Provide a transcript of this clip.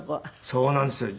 そうなんですよ。